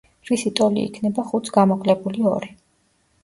რისი ტოლი იქნებ ხუთს გამოკლებული ორი.